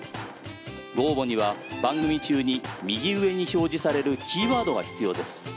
ご応募には番組中に右上に表示されるキーワードが必要です。